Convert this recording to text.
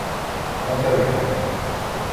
Monte avec nous.